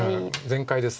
全開です。